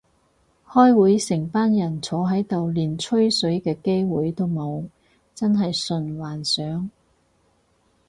開會成班人坐喺度連水吹嘅機會都冇，真係純幻想